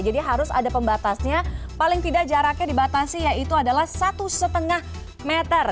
jadi harus ada pembatasnya paling tidak jaraknya dibatasi yaitu adalah satu lima meter